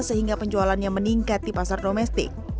sehingga penjualannya meningkat di pasar domestik